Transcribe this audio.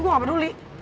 gue nggak peduli